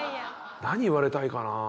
何言われたいかな？